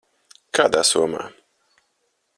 Kādā somā?